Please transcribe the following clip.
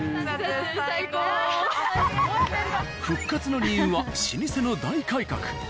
復活の理由は老舗の大改革。